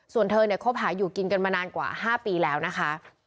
ส่วนเธอเนี่ยคบหาอยู่กินกันมานานกว่า๕ปีแล้วนะคะ